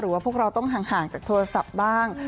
ว่าพวกเราต้องห่างจากโทรศัพท์บ้าง